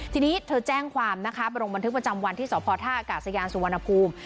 ทีนี้เธอแจ้งความนะคะไปลงบันทึกประจำวันที่สภศสวนภูมิ